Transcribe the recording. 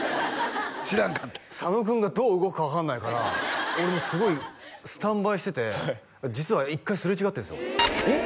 知らんかったんや佐野君がどう動くか分かんないから俺もすごいスタンバイしてて実は一回擦れ違ってるんですよえっ？